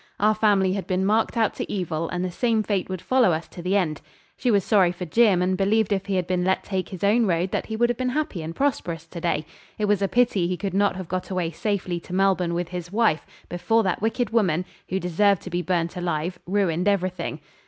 Our family had been marked out to evil, and the same fate would follow us to the end. She was sorry for Jim, and believed if he had been let take his own road that he would have been happy and prosperous to day. It was a pity he could not have got away safely to Melbourne with his wife before that wicked woman, who deserved to be burnt alive, ruined everything.